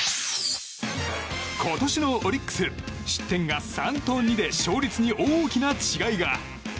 今年のオリックス失点が３と２で勝率に大きな違いが。